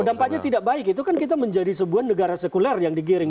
dampaknya tidak baik itu kan kita menjadi sebuah negara sekuler yang digiring